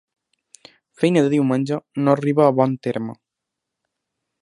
Feina de diumenge no arriba a bon terme.